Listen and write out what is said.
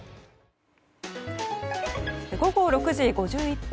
午後６時５１分。